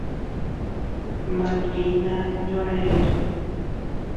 Malvina Ñorairõ.